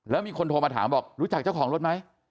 แล้วมีคนโทรมาถามบอกรู้จักเจ้าของรถไหม